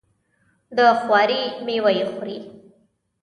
د خواري میوه یې خوري.